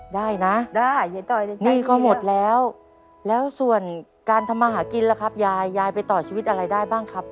ได้นะได้หนี้ก็หมดแล้วแล้วส่วนการทำมาหากินล่ะครับยายยายไปต่อชีวิตอะไรได้บ้างครับ